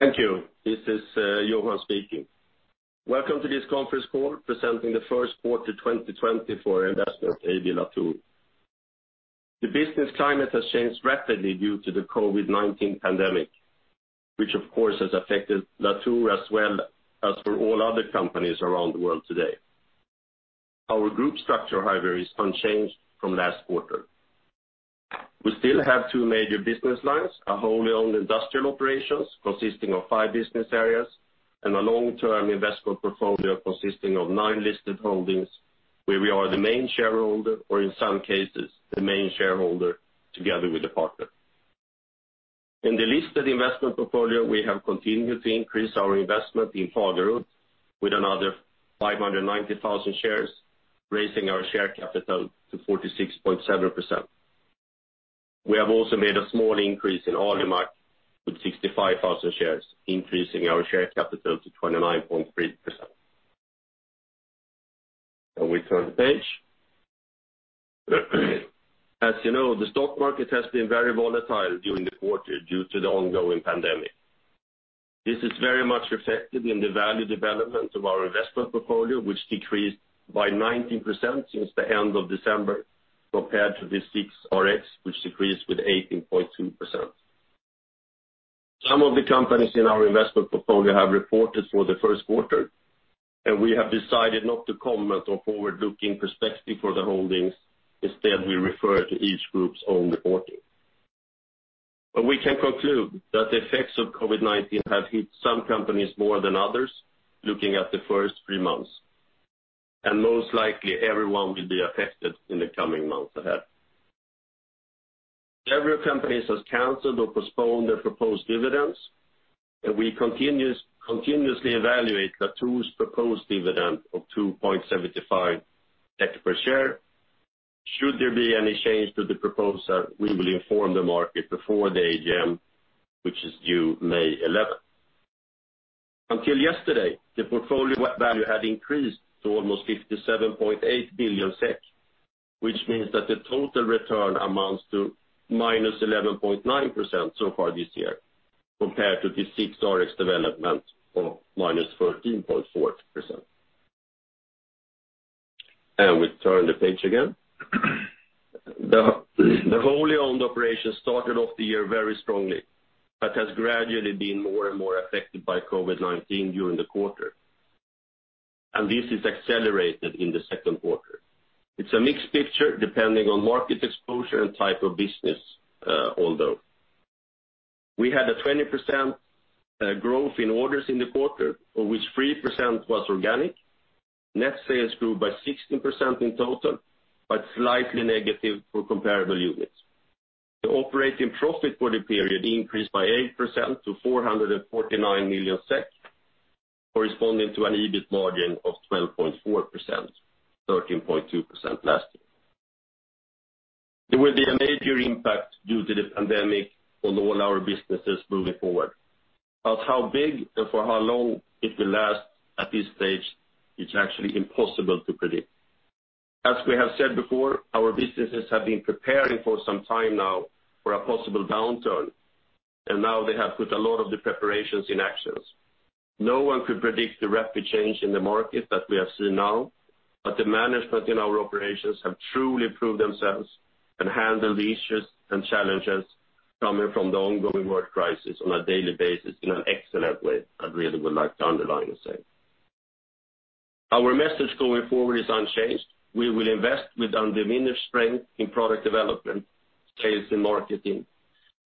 Thank you. This is Johan speaking. Welcome to this conference call presenting the first quarter 2020 for Investment AB Latour. The business climate has changed rapidly due to the COVID-19 pandemic, which of course has affected Latour as well as for all other companies around the world today. Our group structure, however, is unchanged from last quarter. We still have two major business lines, a wholly owned industrial operations consisting of five business areas, and a long-term investment portfolio consisting of nine listed holdings where we are the main shareholder, or in some cases the main shareholder together with a partner. In the listed investment portfolio, we have continued to increase our investment in Fagerhult with another 590,000 shares, raising our share capital to 46.7%. We have also made a small increase in Alimak with 65,000 shares, increasing our share capital to 29.3%. Can we turn the page? As you know, the stock market has been very volatile during the quarter due to the ongoing pandemic. This is very much reflected in the value development of our investment portfolio, which decreased by 19% since the end of December compared to the SIXRX, which decreased with 18.2%. Some of the companies in our investment portfolio have reported for the first quarter, and we have decided not to comment on forward-looking perspective for the holdings. Instead, we refer to each group's own reporting. We can conclude that the effects of COVID-19 have hit some companies more than others, looking at the first three months. Most likely everyone will be affected in the coming months ahead. Several companies have canceled or postponed their proposed dividends, and we continuously evaluate Latour's proposed dividend of 2.75 per share. Should there be any change to the proposal, we will inform the market before the AGM, which is due May 11th. Until yesterday, the portfolio value had increased to almost 57.8 billion SEK, which means that the total return amounts to -11.9% so far this year compared to the SIXRX development of -13.4%. We turn the page again. The wholly owned operation started off the year very strongly, but has gradually been more and more affected by COVID-19 during the quarter, and this is accelerated in the second quarter. It's a mixed picture depending on market exposure and type of business, although. We had a 20% growth in orders in the quarter, of which 3% was organic. Net sales grew by 16% in total, but slightly negative for comparable units. The operating profit for the period increased by 8% to 449 million SEK, corresponding to an EBIT margin of 12.4%, 13.2% last year. There will be a major impact due to the pandemic on all our businesses moving forward, but how big and for how long it will last, at this stage, it's actually impossible to predict. As we have said before, our businesses have been preparing for some time now for a possible downturn, and now they have put a lot of the preparations in actions. No one could predict the rapid change in the market that we are seeing now, but the management in our operations have truly proved themselves and handled the issues and challenges coming from the ongoing world crisis on a daily basis in an excellent way. I really would like to underline and say. Our message going forward is unchanged. We will invest with undiminished strength in product development, sales, and marketing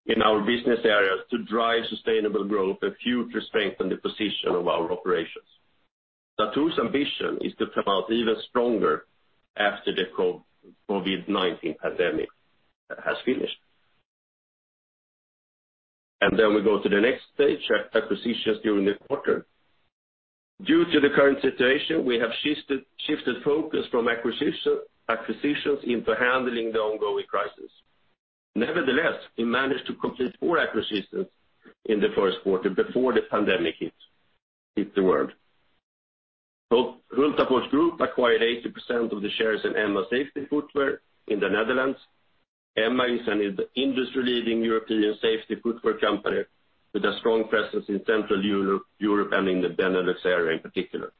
in our business areas to drive sustainable growth and future strengthen the position of our operations. Latour's ambition is to come out even stronger after the COVID-19 pandemic has finished. We go to the next page, acquisitions during the quarter. Due to the current situation, we have shifted focus from acquisitions into handling the ongoing crisis. Nevertheless, we managed to complete four acquisitions in the first quarter before the pandemic hit the world. Hultafors Group acquired 80% of the shares in Emma Safety Footwear in the Netherlands. Emma is an industry-leading European safety footwear company with a strong presence in Central Europe and in the Benelux area in particular.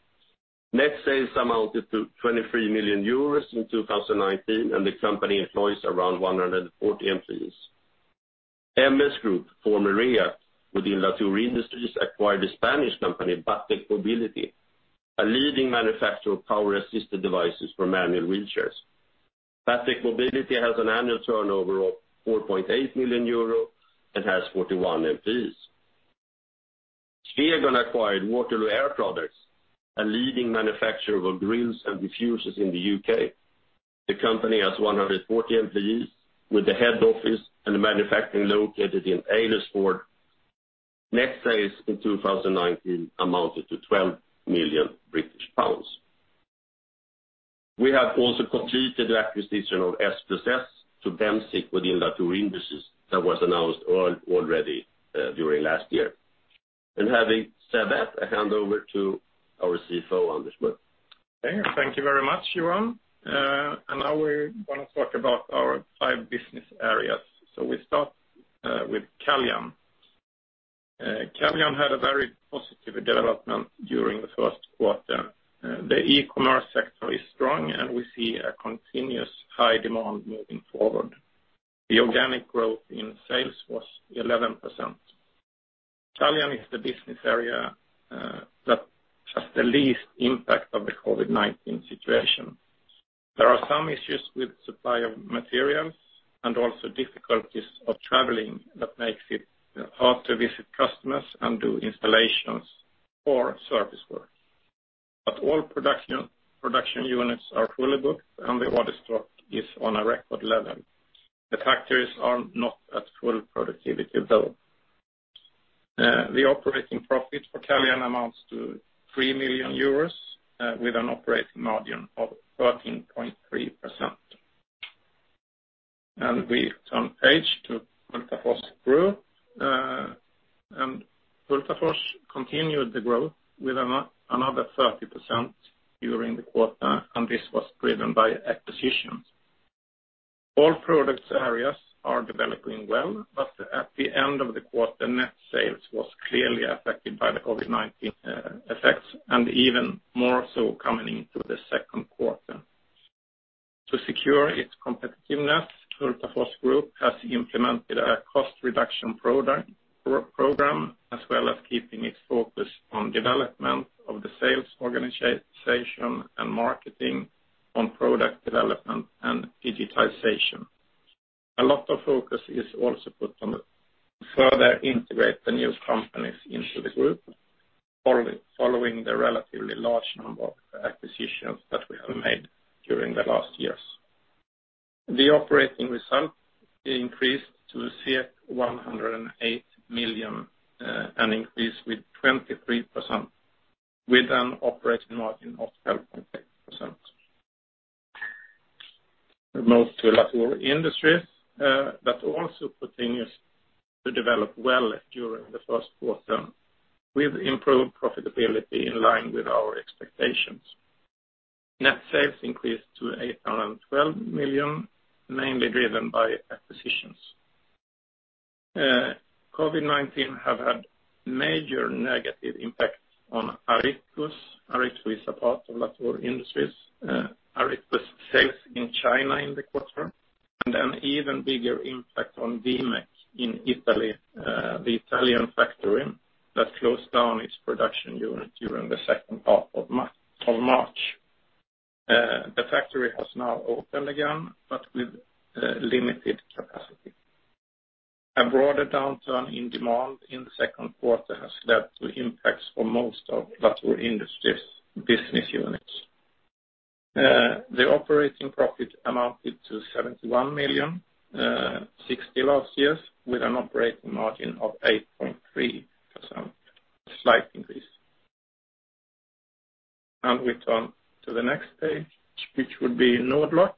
Net sales amounted to 23 million euros in 2019, and the company employs around 140 employees. MS Group, former Rea within Latour Industries, acquired a Spanish company, Batec Mobility, a leading manufacturer of power-assisted devices for manual wheelchairs. Batec Mobility has an annual turnover of 4.8 million euro and has 41 employees. Swegon acquired Waterloo Air Products, a leading manufacturer of grills and diffusers in the U.K. The company has 140 employees with the head office and the manufacturing located in Aylesford. Net sales in 2019 amounted to 12 million British pounds. We have also completed the acquisition of S+S Regeltechnik to Bemsiq within Latour Industries that was announced already during last year. Having said that, I hand over to our CFO, Anders Mörck. Okay, thank you very much, Johan. Now we want to talk about our five business areas. We start with Caljan. Caljan had a very positive development during the first quarter. The e-commerce sector is strong, and we see a continuous high demand moving forward. The organic growth in sales was 11%. Caljan is the business area that has the least impact of the COVID-19 situation. There are some issues with supply of materials and also difficulties of traveling that makes it hard to visit customers and do installations or service work. All production units are fully booked, and the order stock is on a record level. The factories are not at full productivity, though. The operating profit for Caljan amounts to 3 million euros, with an operating margin of 13.3%. We turn page to Hultafors Group. Hultafors continued the growth with another 30% during the quarter, and this was driven by acquisitions. All products areas are developing well, but at the end of the quarter, net sales was clearly affected by the COVID-19 effects and even more so coming into the second quarter. To secure its competitiveness, Hultafors Group has implemented a cost reduction program, as well as keeping its focus on development of the sales organization and marketing on product development and digitization. A lot of focus is also put on further integrate the new companies into the group, following the relatively large number of acquisitions that we have made during the last years. The operating result increased to 108 million, an increase with 23%, with an operating margin of 12.8%. We move to Latour Industries, that also continues to develop well during the first quarter, with improved profitability in line with our expectations. Net sales increased to 812 million, mainly driven by acquisitions. COVID-19 have had major negative impact on Aritco. Aritco is a part of Latour Industries. Aritco's sales in China in the quarter, and an even bigger impact on Vimec in Italy, the Italian factory that closed down its production unit during the second half of March. The factory has now opened again, with limited capacity. A broader downturn in demand in the second quarter has led to impacts on most of Latour Industries' business units. The operating profit amounted to 71 million, 60 last year, with an operating margin of 8.3%, a slight increase. We turn to the next page, which would be Nord-Lock.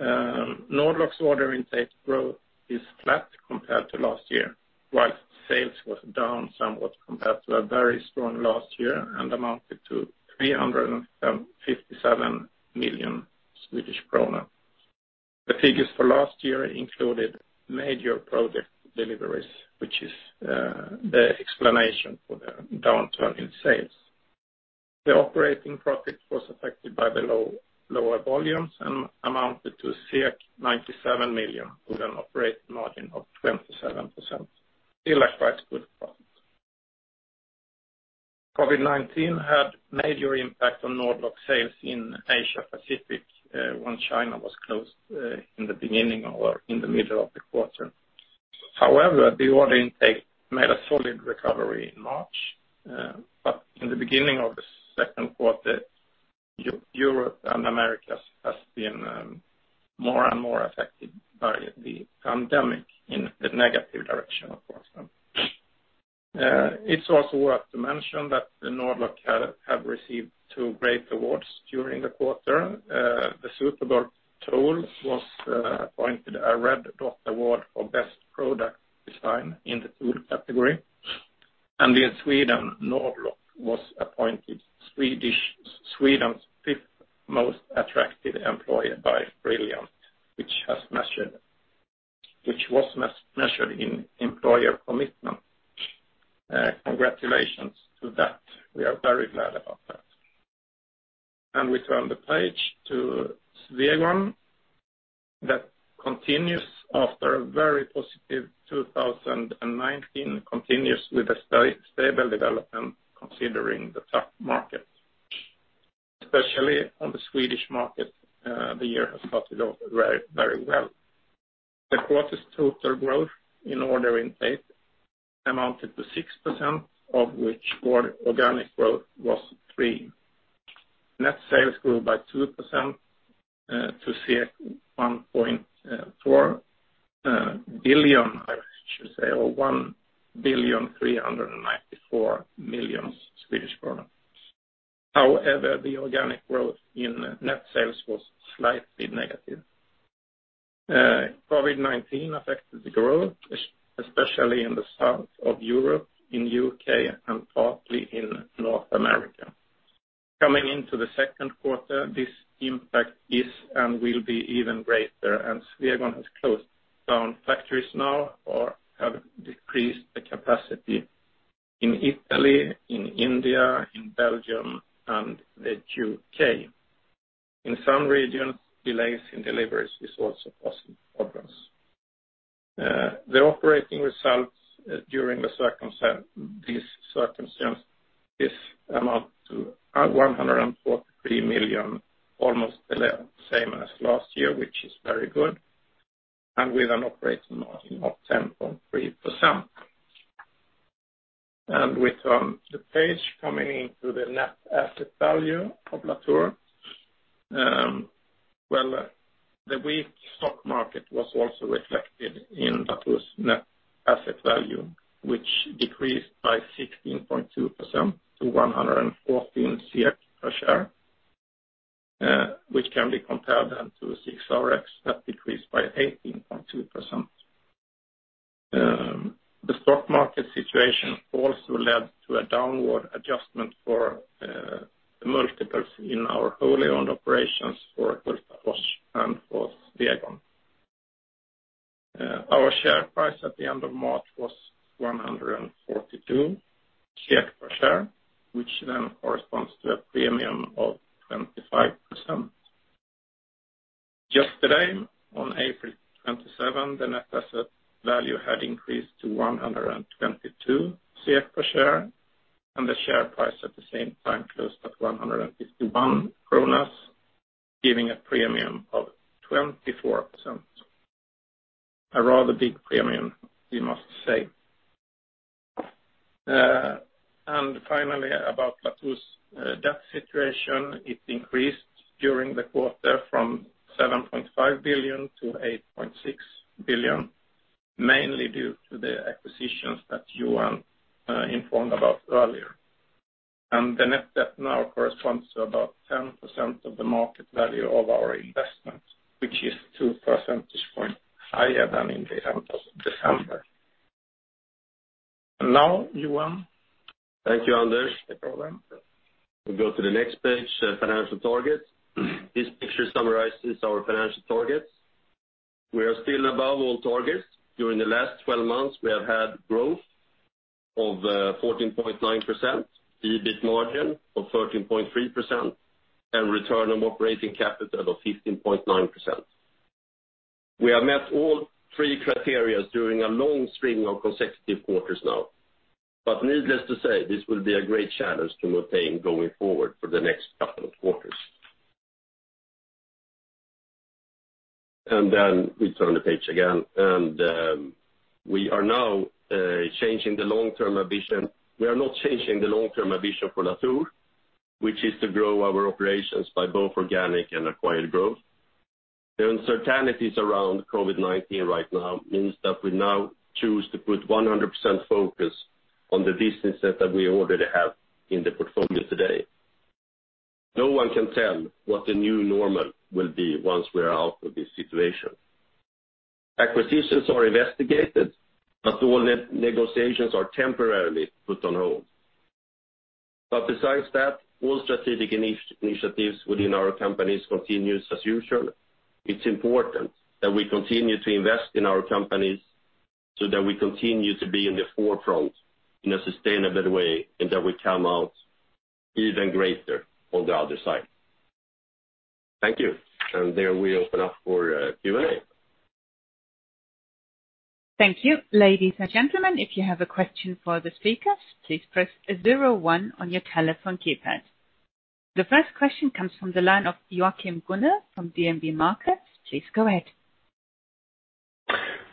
Nord-Lock's order intake growth is flat compared to last year, while sales was down somewhat compared to a very strong last year and amounted to 357 million Swedish kronor. The figures for last year included major project deliveries, which is the explanation for the downturn in sales. The operating profit was affected by the lower volumes and amounted to 97 million, with an operating margin of 27%. Still a quite good profit. COVID-19 had major impact on Nord-Lock sales in Asia Pacific when China was closed in the beginning or in the middle of the quarter. However, the order intake made a solid recovery in March. In the beginning of the second quarter, Europe and Americas has been more and more affected by the pandemic in the negative direction, of course. It's also worth to mention that Nord-Lock have received two great awards during the quarter. The Superbolt tool was appointed a Red Dot Award for Best Product Design in the tool category. In Sweden, Nord-Lock was appointed Sweden's fifth most attractive employer by Brilliant, which was measured in employer commitment. Congratulations to that. We are very glad about that. We turn the page to Swegon, that continues after a very positive 2019, continues with a stable development considering the tough market. Especially on the Swedish market, the year has started off very well. The quarter's total growth in order intake amounted to 6%, of which organic growth was 3%. Net sales grew by 2% to 1.4 billion, I should say, or 1,394,000,000. However, the organic growth in net sales was slightly negative. COVID-19 affected the growth, especially in the south of Europe, in U.K., and partly in North America. Coming into the second quarter, this impact is and will be even greater, and Swegon has closed down factories now or have decreased the capacity in Italy, in India, in Belgium, and the U.K. In some regions, delays in deliveries is also causing problems. The operating results during these circumstance is amount to 143 million, almost same as last year, which is very good, and with an operating margin of 10.3%. We turn the page coming into the net asset value of Latour. Well, the weak stock market was also reflected in Latour's net asset value, which decreased by 16.2% to 114 per share, which can be compared then to SIXRX that decreased by 18.2%. The stock market situation also led to a downward adjustment for the multiples in our wholly owned operations for Hultafors and for Swegon. Our share price at the end of March was 142 per share, which then corresponds to a premium of 25%. Just today on April 27, the net asset value had increased to 122 per share, and the share price at the same time closed at 151 kronor, giving a premium of 24%, a rather big premium, we must say. Finally, about Latour's debt situation, it increased during the quarter from 7.5 billion-8.6 billion, mainly due to the acquisitions that Johan informed about earlier. The net debt now corresponds to about 10% of the market value of our investment, which is two percentage point higher than in the end of December. Now, Johan. Thank you, Anders. No problem. We go to the next page, financial targets. This picture summarizes our financial targets. We are still above all targets. During the last 12 months, we have had growth of 14.9%, EBIT margin of 13.3%, and return on operating capital of 15.9%. We have met all three criterias during a long string of consecutive quarters now. Needless to say, this will be a great challenge to maintain going forward for the next couple of quarters. We turn the page again, and we are now changing the long-term ambition. We are not changing the long-term ambition for Latour, which is to grow our operations by both organic and acquired growth. The uncertainties around COVID-19 right now means that we now choose to put 100% focus on the business that we already have in the portfolio today. No one can tell what the new normal will be once we are out of this situation. Acquisitions are investigated, but all negotiations are temporarily put on hold. Besides that, all strategic initiatives within our companies continues as usual. It's important that we continue to invest in our companies so that we continue to be in the forefront in a sustainable way, and that we come out even greater on the other side. Thank you. There we open up for Q&A. Thank you. Ladies and gentlemen, if you have a question for the speakers, please press zero one on your telephone keypad. The first question comes from the line of Joachim Gunell from DNB Markets. Please go ahead.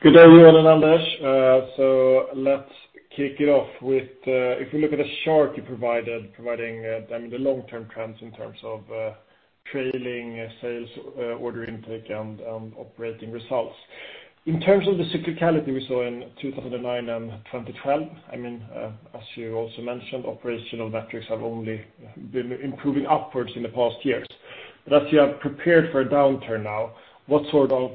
Good day, Johan and Anders. Let's kick it off with, if you look at the chart you provided, providing the long-term trends in terms of trailing sales, order intake, and operating results. In terms of the cyclicality we saw in 2009 and 2012, as you also mentioned, operational metrics have only been improving upwards in the past years. As you have prepared for a downturn now, what sort of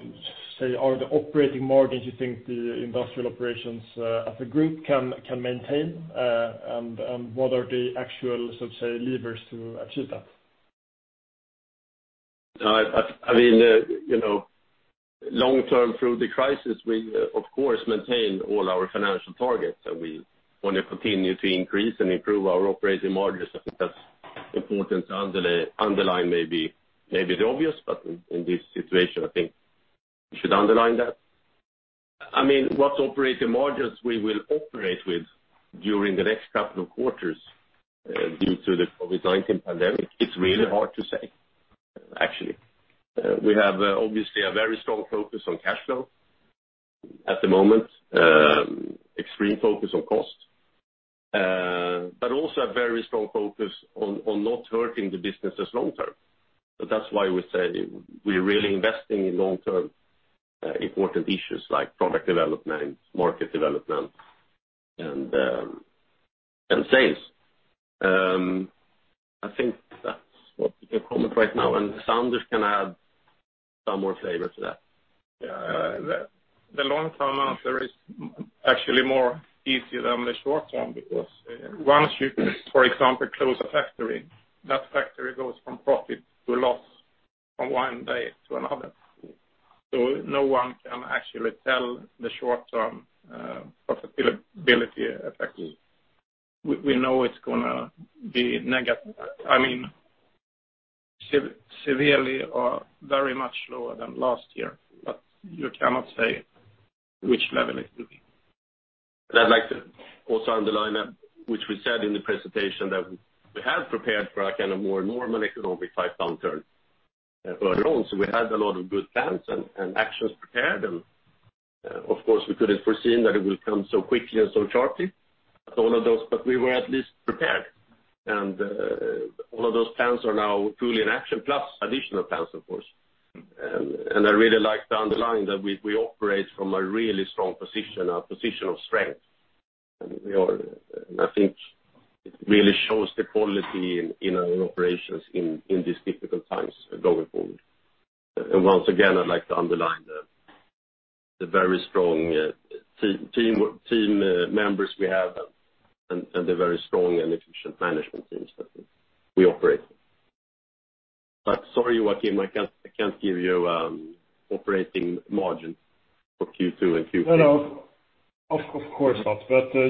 operating margins you think the industrial operations as a group can maintain, and what are the actual levers to achieve that? Long-term through the crisis, we of course maintain all our financial targets, and we want to continue to increase and improve our operating margins. I think that's important to underline. Maybe it's obvious, but in this situation, I think we should underline that. What operating margins we will operate with during the next couple of quarters due to the COVID-19 pandemic, it's really hard to say, actually. We have obviously a very strong focus on cash flow at the moment, extreme focus on cost, but also a very strong focus on not hurting the businesses long-term. That's why we say we are really investing in long-term important issues like product development, market development, and sales. I think that's what we can comment right now. Anders can add some more flavor to that. Yeah. The long-term answer is actually more easy than the short term, because once you, for example, close a factory, that factory goes from profit to loss from one day to another. No one can actually tell the short-term profitability effectively. We know it's going to be negative, severely or very much lower than last year, but you cannot say which level it will be. I'd like to also underline that, which we said in the presentation, that we had prepared for a more normal economic type downturn further on. We had a lot of good plans and actions prepared, of course, we couldn't foreseen that it would come so quickly and so sharply, all of those, we were at least prepared. All of those plans are now truly in action plus additional plans, of course. I really like to underline that we operate from a really strong position, a position of strength. I think it really shows the quality in our operations in these difficult times going forward. Once again, I'd like to underline the very strong team members we have and the very strong and efficient management teams that we operate with. Sorry, Joachim, I can't give you operating margin for Q2 and Q3. No, of course not.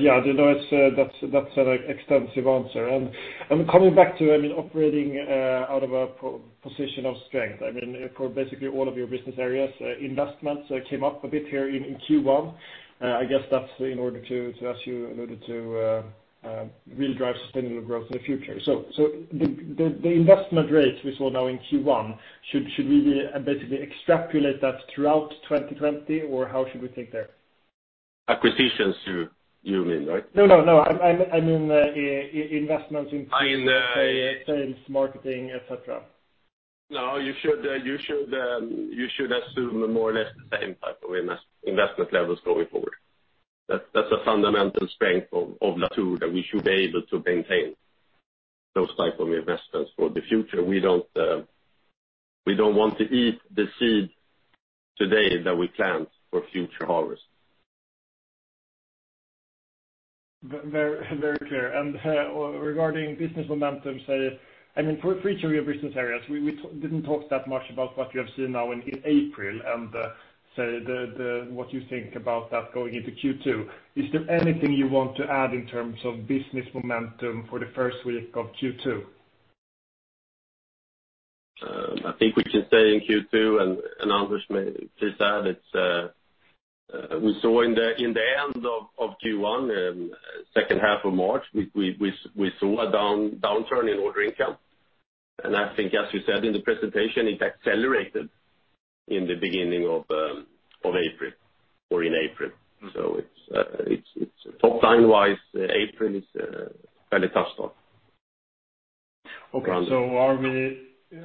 Yeah, that's an extensive answer. Coming back to operating out of a position of strength, for basically all of your business areas, investments came up a bit here in Q1. I guess that's in order to, as you alluded to, really drive sustainable growth in the future. The investment rate we saw now in Q1, should we basically extrapolate that throughout 2020? How should we think there? Acquisitions, you mean, right? No, I mean, investments in- In- say, sales, marketing, et cetera. No, you should assume more or less the same type of investment levels going forward. That's a fundamental strength of Latour that we should be able to maintain those type of investments for the future. We don't want to eat the seed today that we plant for future harvest. Very clear. Regarding business momentum, for each of your business areas, we didn't talk that much about what you have seen now in April, and what you think about that going into Q2. Is there anything you want to add in terms of business momentum for the first week of Q2? I think we can say in Q2, and Anders may please add, we saw in the end of Q1, second half of March, we saw a downturn in order income. I think as you said in the presentation, it accelerated in the beginning of April or in April. Top line-wise, April is a very tough start.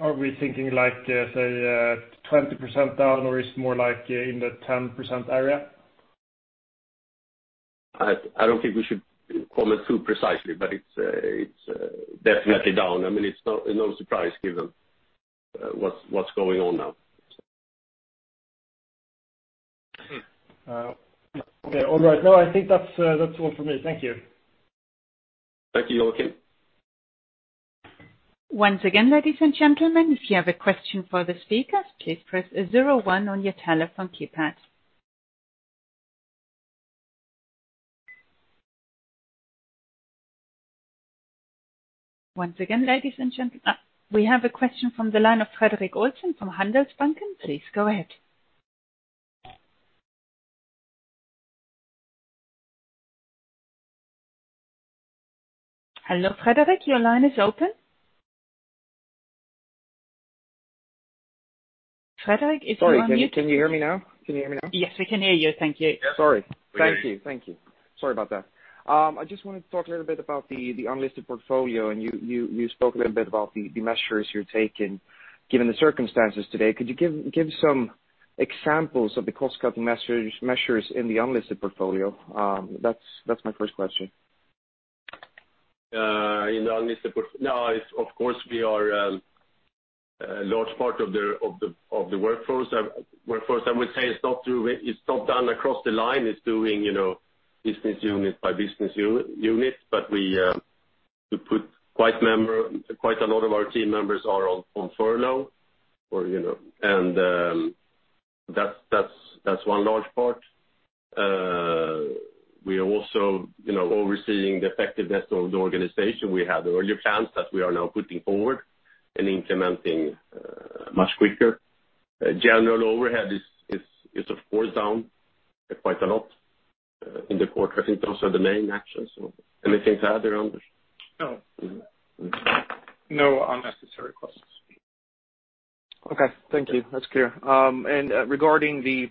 Are we thinking like, say, 20% down, or it's more like in the 10% area? I don't think we should comment too precisely. It's definitely down. It's no surprise given what's going on now. Okay. All right. No, I think that's all for me. Thank you. Thank you, Joachim. Once again, ladies and gentlemen, if you have a question for the speakers, please press zero one on your telephone keypad. Once again, ladies and gentlemen. We have a question from the line of Fredrik Olsson from Handelsbanken. Please go ahead. Hello, Fredrik, your line is open. Fredrik, if you are muted. Sorry, can you hear me now? Yes, we can hear you. Thank you. Sorry. Thank you. Sorry about that. I just wanted to talk a little bit about the unlisted portfolio, and you spoke a little bit about the measures you're taking given the circumstances today. Could you give some examples of the cost-cutting measures in the unlisted portfolio? That's my first question. Of course, we are a large part of the workforce. I would say it's not done across the line. It's doing business unit by business unit, but we put quite a lot of our team members are on furlough. That's one large part. We are also overseeing the effectiveness of the organization. We had earlier plans that we are now putting forward and implementing much quicker. General overhead is of course down quite a lot in the quarter. I think those are the main actions. Anything to add there, Anders? No. No unnecessary costs. Okay. Thank you. That's clear. Regarding the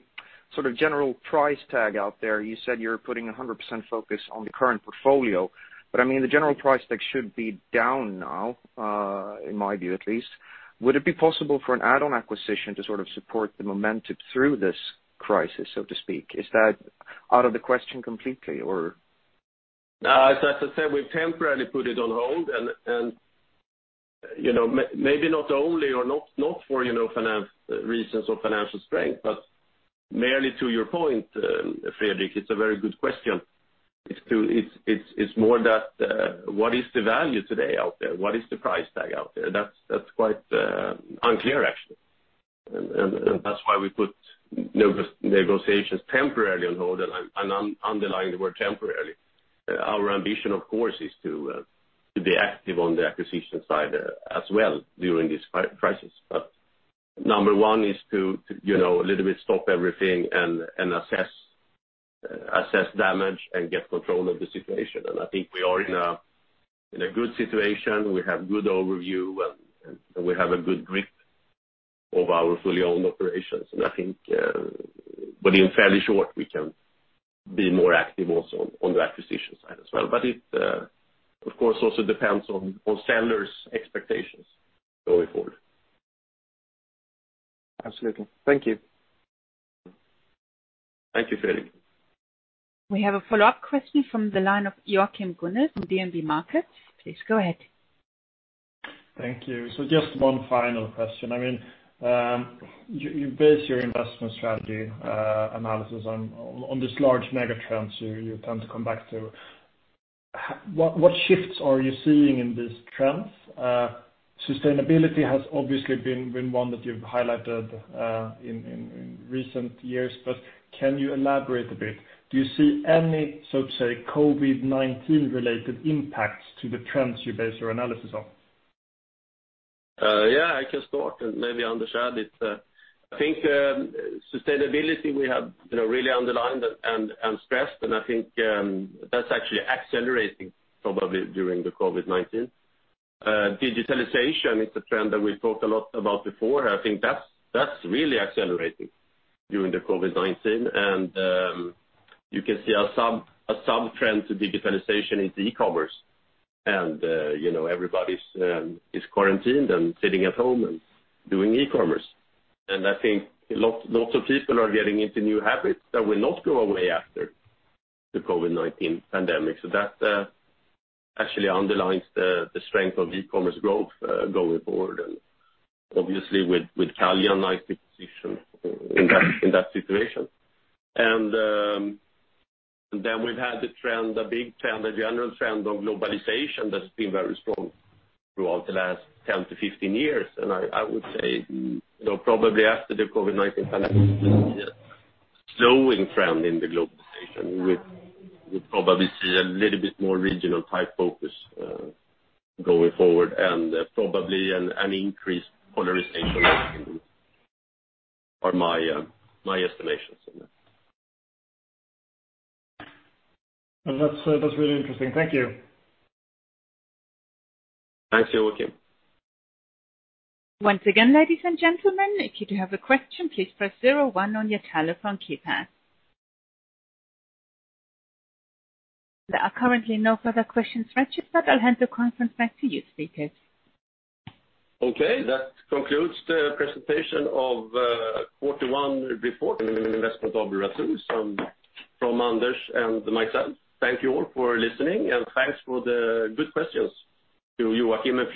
sort of general price tag out there, you said you're putting 100% focus on the current portfolio. The general price tag should be down now, in my view, at least. Would it be possible for an add-on acquisition to sort of support the momentum through this crisis, so to speak? Is that out of the question completely? As I said, we've temporarily put it on hold. Maybe not only or not for financial reasons or financial strength, but mainly to your point, Fredrik, it's a very good question. It's more that, what is the value today out there? What is the price tag out there? That's quite unclear, actually. That's why we put negotiations temporarily on hold, and I'm underlying the word temporarily. Our ambition, of course, is to be active on the acquisition side as well during this crisis. Number one is to a little bit stop everything and assess damage and get control of the situation. I think we are in a good situation. We have good overview, and we have a good grip of our fully owned operations. In fairly short, we can be more active also on the acquisition side as well. It, of course, also depends on sellers' expectations going forward. Absolutely. Thank you. Thank you, Fredrik. We have a follow-up question from the line of Joachim Gunell from DNB Markets. Please go ahead. Thank you. Just one final question. You base your investment strategy analysis on these large mega trends you tend to come back to. What shifts are you seeing in these trends? Sustainability has obviously been one that you've highlighted in recent years, but can you elaborate a bit? Do you see any, so to say, COVID-19 related impacts to the trends you base your analysis on? Yeah, I can start and maybe Anders add it. I think sustainability we have really underlined and stressed, and I think that's actually accelerating probably during the COVID-19. Digitalization is a trend that we've talked a lot about before. I think that's really accelerating during the COVID-19, and you can see a sub-trend to digitalization into e-commerce. Everybody's quarantined and sitting at home and doing e-commerce. I think lots of people are getting into new habits that will not go away after the COVID-19 pandemic. That actually underlines the strength of e-commerce growth going forward, and obviously with Caljan nicely positioned in that situation. We've had the trend, a big trend, a general trend of globalization that's been very strong throughout the last 10-15 years. I would say, probably after the COVID-19 pandemic, we'll see a slowing trend in the globalization. We'll probably see a little bit more regional type focus going forward and probably an increased polarization of the economy, are my estimations on that. That's really interesting. Thank you. Thanks, Joachim. Once again, ladies and gentlemen, if you do have a question, please press zero one on your telephone keypad. There are currently no further questions registered. I'll hand the conference back to you, speakers. Okay. That concludes the presentation of Q1 report and investment updates from Anders and myself. Thank you all for listening, and thanks for the good questions to Joachim and Fredrik.